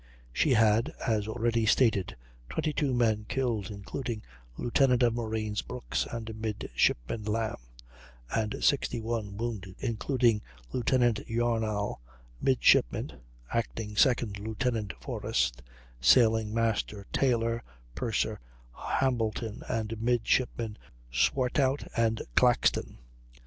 She had, as already stated, 22 men killed, including Lieutenant of Marines Brooks and Midshipman Lamb; and 61 wounded, including Lieutenant Yarnall, Midshipman (acting second lieutenant) Forrest, Sailing Master Taylor, Purser Hambleton, and Midshipmen Swartout and Claxton.